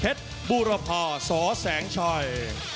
เพชรบุรพาสแสงชัย